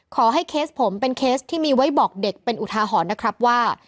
เคสผมเป็นเคสที่มีไว้บอกเด็กเป็นอุทาหรณ์นะครับว่า